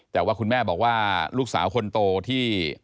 แต่ว่าคุณแม่บอกว่าลูกสาวคนโตที่